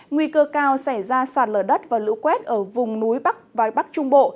nguy cơ cao sẽ ra sạt lở đất và lũ quét ở vùng núi bắc và bắc trung bộ